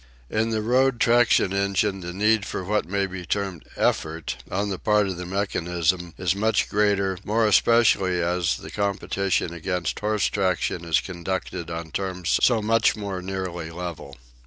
In the road traction engine the need for what may be termed effort on the part of the mechanism is much greater, more especially as the competition against horse traction is conducted on terms so much more nearly level.